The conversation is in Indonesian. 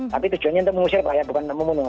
tapi tujuannya untuk mengusir bahaya bukan membunuh